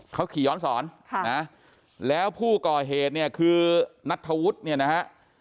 เขาขี่ย้อนสอนแล้วผู้ก่อเหตุเนี่ยคือนัทธวุฒิเนี่ยนะฮะ